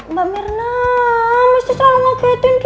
mbak mirna mesti salah ngelakuin deh